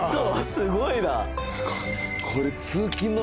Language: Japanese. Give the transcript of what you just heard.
すごいな。